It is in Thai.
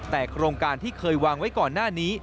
แต่โครงการที่เคยวางไว้ก่อนหน้านี้